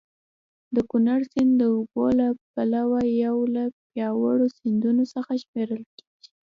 د کونړ سیند د اوبو له پلوه یو له پیاوړو سیندونو څخه شمېرل کېږي.